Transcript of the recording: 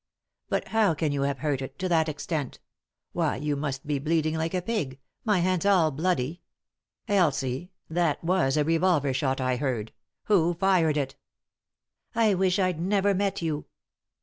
" Bat how can you have hurt it — to that extent ? Why, you must be bleeding like a pig — my hand's all bloody I Elsie, that was a revolver shot I heard. Who fired it 1 "" I wish I'd never met yon."